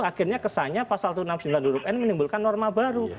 akhirnya kesannya pasal satu ratus enam puluh sembilan huruf n menimbulkan norma baru